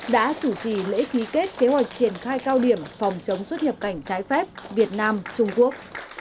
đã chủ trì lễ ký kết kế hoạch triển khai cao điểm phòng chống xuất nhập cảnh trái phép việt nam trung quốc